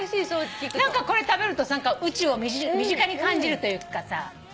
何かこれ食べると宇宙を身近に感じるというかさ。